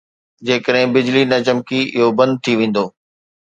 جيڪڏهن بجلي نه چمڪي، اهو بند ٿي ويندو.